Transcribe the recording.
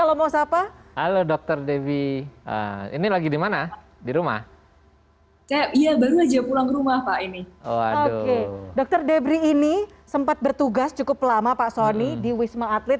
oke dokter debri ini sempat bertugas cukup lama pak soni di wisma atlet